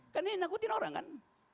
kan dia nakutin orang kan